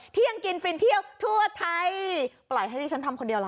ที่ยังกินฟินเที่ยวทั่วไทยปล่อยให้ดิฉันทำคนเดียวล่ะ